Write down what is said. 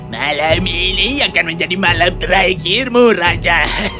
malam ini akan menjadi malam terakhirmu raja